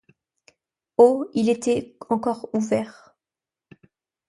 Au il était encore ouvert.